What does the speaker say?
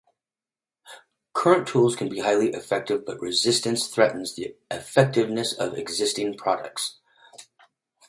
Current tools can be highly effective but resistance threatens the effectiveness of existing products.